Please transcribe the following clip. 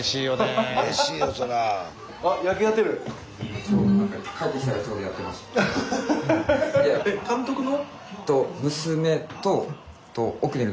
えっ監督の？